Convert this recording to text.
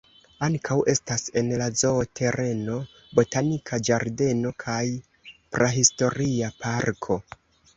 Ankaŭ estas en la zoo-tereno botanika ĝardeno kaj prahistoria parko.